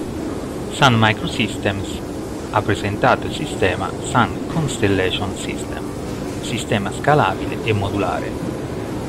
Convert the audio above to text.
Sun Microsystems ha presentato il sistema Sun Constellation System, un sistema scalabile e modulare.